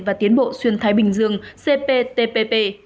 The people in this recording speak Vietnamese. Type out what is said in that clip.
và tiến bộ xuyên thái bình dương cptpp